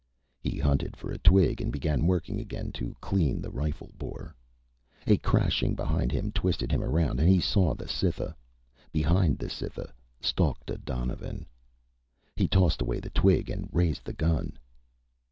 He hunted for a twig and began working again to clean the rifle bore. A crashing behind him twisted him around and he saw the Cytha. Behind the Cytha stalked a donovan. He tossed away the twig and raised the gun.